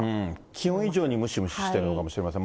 気温以上にムシムシしてるのかもしれません。